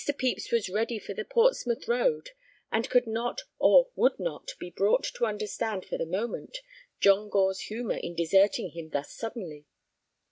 Pepys was ready for the Portsmouth road, and could not or would not be brought to understand for the moment John Gore's humor in deserting him thus suddenly.